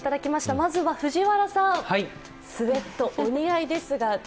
まずは、藤原さん、スエットお似合いですが。